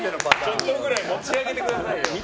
ちょっとぐらい持ち上げてくださいよ。